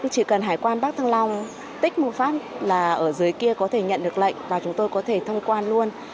chỉ cần hải quan bắc thăng long tích mohat là ở dưới kia có thể nhận được lệnh và chúng tôi có thể thông quan luôn